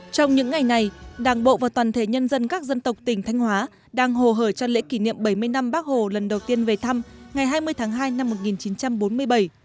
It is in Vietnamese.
trong những ngày này đảng bộ và toàn thể nhân dân các dân tộc tỉnh thanh hóa đang hồ hởi cho lễ kỷ niệm bảy mươi năm bác hồ lần đầu tiên về thăm ngày hai mươi tháng hai năm một nghìn chín trăm bốn mươi bảy